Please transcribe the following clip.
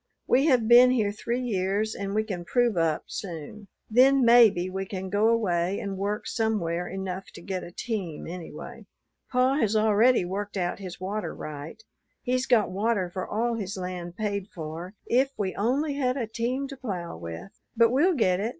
We have been here three years and we can prove up soon; then maybe we can go away and work somewhere, enough to get a team anyway. Pa has already worked out his water right, he's got water for all his land paid for, if we only had a team to plough with. But we'll get it.